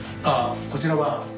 ああこちらは？